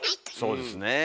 そうですね。